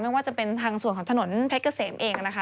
ไม่ว่าจะเป็นทางส่วนของถนนเพชรเกษมเองนะคะ